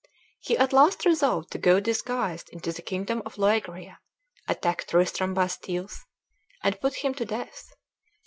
He at last resolved to go disguised into the kingdom of Loegria, attack Tristram by stealth, and put him to death.